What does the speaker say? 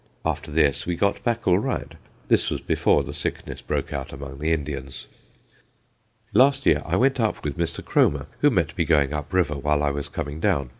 After this we got back all right. This was before the sickness broke out among the Indians. Last year I went up with Mr. Kromer, who met me going up river while I was coming down.